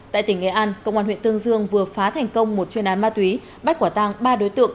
tại tỉnh nghệ an công an huyện tương dương vừa phá thành công một chuyên án ma túy bắt quả tang ba đối tượng